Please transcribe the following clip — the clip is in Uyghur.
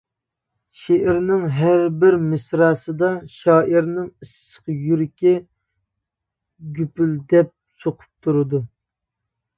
شېئىرنىڭ ھەربىر مىسراسىدا شائىرنىڭ ئىسسىق يۈرىكى گۈپۈلدەپ سۇقۇپ تۇرىدۇ.